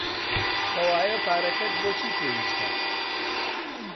کەوایە پارەکەت بۆ چی پێویستە؟